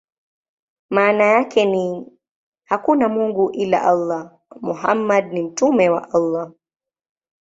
Maana yake ni: "Hakuna mungu ila Allah; Muhammad ni mtume wa Allah".